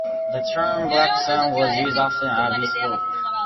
The term "black sun" was used often in Abbey's work.